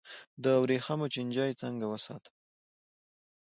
د وریښمو چینجی څنګه وساتم؟